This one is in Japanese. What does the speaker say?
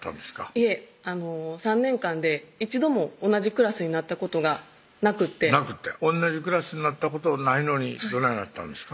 いえ３年間で一度も同じクラスになったことがなくて同じクラスなったことないのにどないなったんですか？